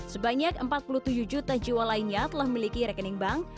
sebanyak empat puluh tujuh juta jiwa lainnya telah memiliki rekening bank